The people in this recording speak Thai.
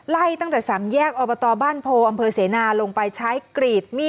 ไล่ตั้งแต่๓แยกออบตบ้านที่๕จังหวัดพระนครเสียอยุธยา